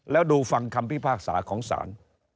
แล้วดูฟังคำพิพากษาของศาล